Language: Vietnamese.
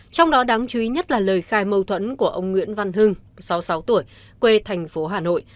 trong đó đáng chú ý nhất là lời khai mâu thuẫn của ông nguyễn văn hưng sáu mươi sáu tuổi quê thành phố hà nội